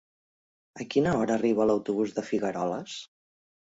A quina hora arriba l'autobús de Figueroles?